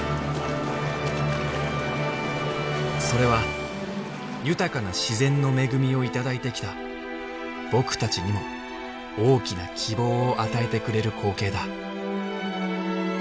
それは豊かな自然の恵みを頂いてきた僕たちにも大きな希望を与えてくれる光景だ。